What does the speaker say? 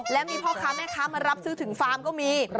และมีพ่อค้าแม่ค้ามารับซื้อถึงฟาร์มก็มี